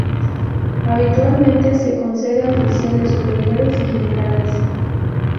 Habitualmente se concede a oficiales superiores y generales.